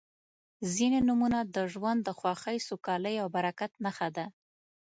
•ځینې نومونه د ژوند د خوښۍ، سوکالۍ او برکت نښه ده.